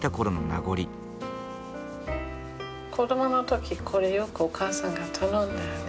子どもの時これよくお母さんが頼んだよね。